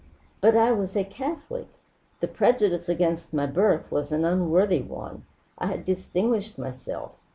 "But I was a Catholic! The prejudice against my birth was an unworthy one. I had distinguished myself.